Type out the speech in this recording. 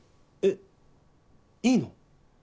えっいいの？